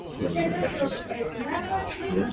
男が一度・・・！！！必ず帰ると言ったのだから！！！